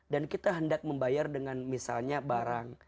dan kita hendak membayar dengan misalnya barang